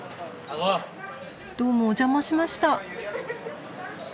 どうもお邪魔しました。